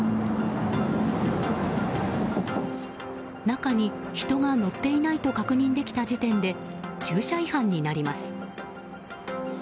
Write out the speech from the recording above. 中に人が乗っていないと確認できた時点で駐車違反になります。